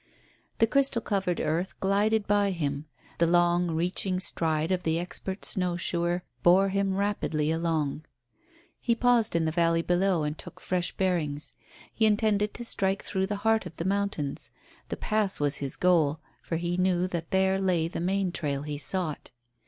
The crystal covered earth glided by him; the long, reaching stride of the expert snow shoer bore him rapidly along. He paused in the valley below and took fresh bearings. He intended to strike through the heart of the mountains. The Pass was his goal, for he knew that there lay the main trail he sought.